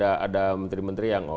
ada menteri menteri yang